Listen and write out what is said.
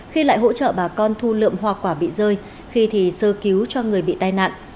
khi lại hỗ trợ bà con thu lượm hoa quả bị rơi khi thì sơ cứu cho người bị tai nạn